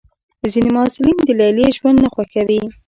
ځینې محصلین د لیلیې ژوند نه خوښوي.